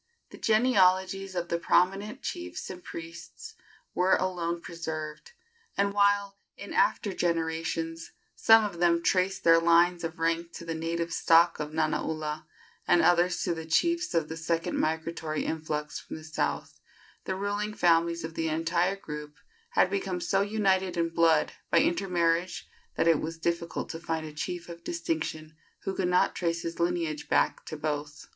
The genealogies of the prominent chiefs and priests were alone preserved; and while, in after generations, some of them traced their lines of rank to the native stock of Nanaula, and others to the chiefs of the second migratory influx from the south, the ruling families of the entire group had become so united in blood by intermarriage that it was difficult to find a chief of distinction who could not trace his lineage back to both.